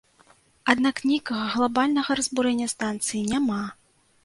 Аднак нейкага глабальнага разбурэння станцыі няма.